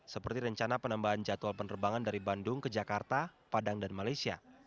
seperti rencana penambahan jadwal penerbangan dari bandung ke jakarta padang dan malaysia